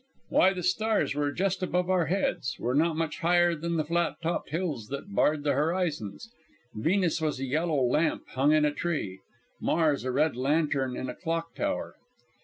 Why, the stars were just above our heads, were not much higher than the flat topped hills that barred the horizons. Venus was a yellow lamp hung in a tree; Mars a red lantern in a clock tower.